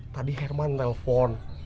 tadi herman telfon